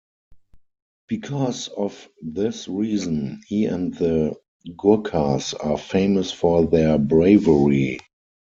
Because of this reason, he and The Gurrkhas are famous for their bravery.